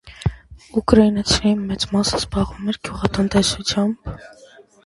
Ուկրաինացիների մեծ մասը զբաղվում էր գյուղատնտեսությամբ։